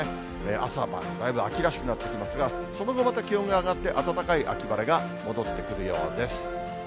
朝晩、だいぶ秋らしくなってきますが、その後、また気温が上がって、暖かい秋晴れが戻ってくるようです。